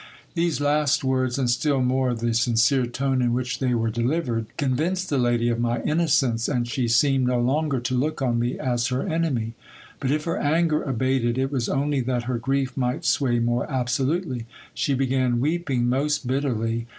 These last words, and still more the HISTORY OF DO.V ALPHOJVSO AND SERAPHINA. _ 161 sincere tone in which they were delivered, convinced the lady of my innocence, and she seemed no longer to look on me as her enemy ; but if her anger abated it was on'y that her grief might sway more absolutely. She began weeping most bitterly.